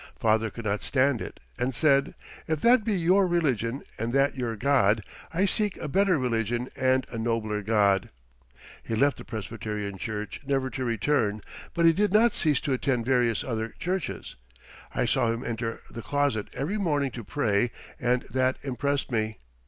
Father could not stand it and said: "If that be your religion and that your God, I seek a better religion and a nobler God." He left the Presbyterian Church never to return, but he did not cease to attend various other churches. I saw him enter the closet every morning to pray and that impressed me.